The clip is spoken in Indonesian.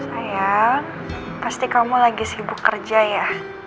saya pasti kamu lagi sibuk kerja ya